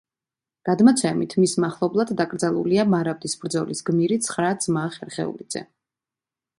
გადმოცემით, მის მახლობლად დაკრძალულია მარაბდის ბრძოლის გმირი ცხრა ძმა ხერხეულიძე.